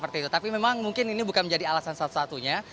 tapi memang mungkin ini bukan menjadi alasan satu satunya